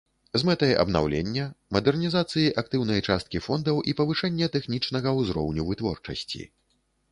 З мэтай абнаўлення, мадэрнізацыі актыўнай часткі фондаў і павышэння тэхнічнага ўзроўню вытворчасці.